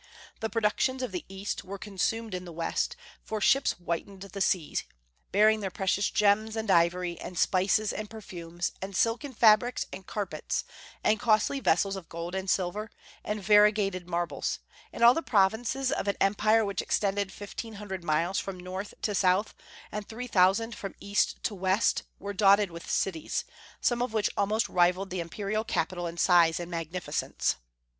The productions of the East were consumed in the West, for ships whitened the sea, bearing their precious gems, and ivory, and spices, and perfumes, and silken fabrics, and carpets, and costly vessels of gold and silver, and variegated marbles; and all the provinces of an empire which extended fifteen hundred miles from north to south and three thousand from east to west were dotted with cities, some of which almost rivalled the imperial capital in size and magnificence.